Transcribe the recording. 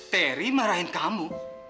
terry marahin kamu